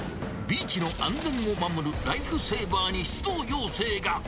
ビーチの安全を守るライフセーバーに出動要請が。